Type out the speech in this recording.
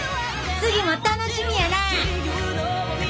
次も楽しみやな！